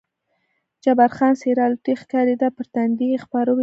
جبار خان څېره الوتی ښکارېده، پر تندي یې خپاره وریښتان.